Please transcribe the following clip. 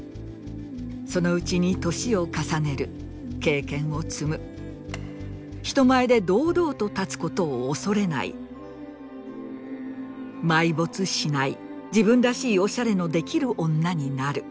そのうちに歳を重ねる経験を積む人前で堂々と立つ事を恐れない埋没しない自分らしいオシャレのできる女になる。